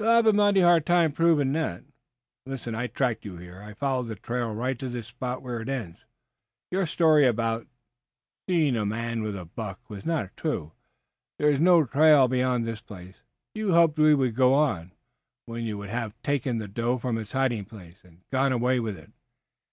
"You will have a mighty hard time proving that. Listen! I tracked you here. I followed the trail right to this spot where it ends. Your story about seeing a man with a buck was not true. There is no trail beyond this place. You hoped we would go on, when you would have taken the doe from its hiding place and gone away with it.